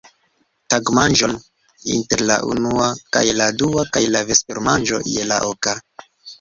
tagmanĝon inter la unua kaj la dua kaj la vespermanĝon je la oka.